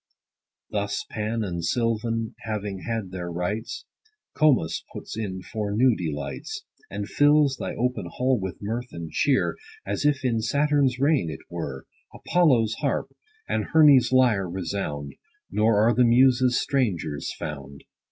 Thus Pan and Sylvan having had their rites, Comus puts in for new delights ; And fills thy open hall with mirth and cheer, 40 As if in Saturn's reign it were ; Apollo's harp, and Hermes' lyre resound, Nor are the Muses strangers found.